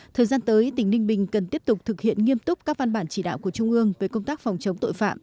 thời gian tới tỉnh ninh bình cần tiếp tục thực hiện nghiêm túc các văn bản chỉ đạo của trung ương về công tác phòng chống tội phạm